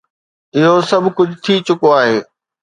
اهو سڀ ڪجهه ٿي چڪو آهي.